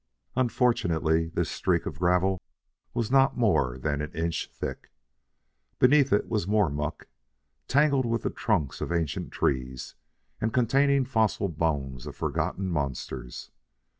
Unfortunately, this streak of gravel was not more than an inch thick. Beneath it was more muck, tangled with the trunks of ancient trees and containing fossil bones of forgotten monsters.